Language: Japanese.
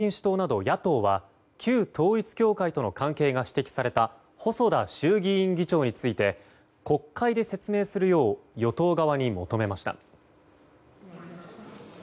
立憲民主党など野党は旧統一教会との関係が指摘された細田衆議院議長について国会で説明するよう与党側に求めました。